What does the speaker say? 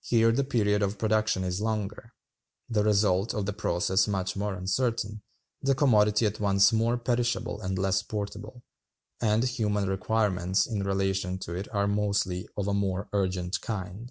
Here the period of production is longer, the result of the process much more uncertain, the commodity at once more perishable and less portable, and human requirements in relation to it are mostly of a more urgent kind: (1.)